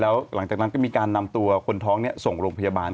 แล้วหลังจากนั้นก็มีการนำตัวคนท้องส่งโรงพยาบาล